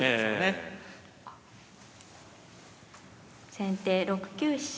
先手６九飛車。